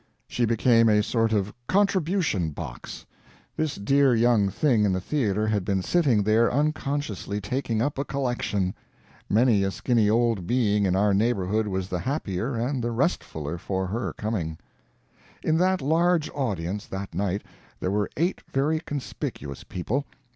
She became a sort of contribution box. This dear young thing in the theater had been sitting there unconsciously taking up a collection. Many a skinny old being in our neighborhood was the happier and the restfuler for her coming. In that large audience, that night, there were eight very conspicuous people.